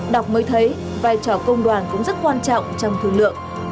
đọc mới thấy vai trò công đoàn cũng rất quan trọng trong thương lượng